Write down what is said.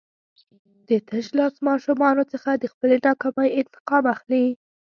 د تشلاس ماشومانو څخه د خپلې ناکامۍ انتقام اخلي.